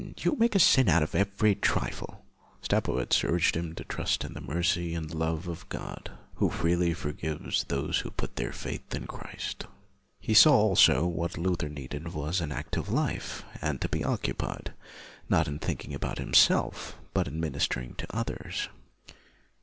You make a sin out of every LUTHER 9 trifle." Staupitz urged him to trust in the mercy and love of God who freely for gives those who put their faith in Christ. He saw also that what Luther needed was an active life, and to be occupied, not in thinking about himself, but in ministering to others.